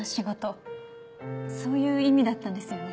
そういう意味だったんですよね。